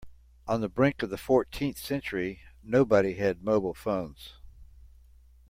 On the brink of the fourteenth century, nobody had mobile phones.